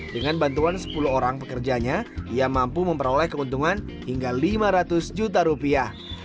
dengan bantuan sepuluh orang pekerjanya ia mampu memperoleh keuntungan hingga lima ratus juta rupiah